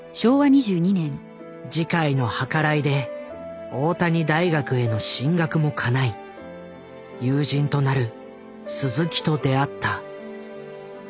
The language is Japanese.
慈海の計らいで大谷大学への進学もかない友人となる鈴木と出会った。